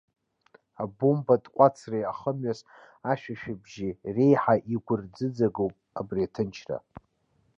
Абомба атҟәацреи ахымҩас ашәышәбжьи реиҳа игәырӡыӡагоуп абри аҭынчра.